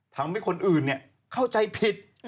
ทำให้คนอื่นเข้าใจผิด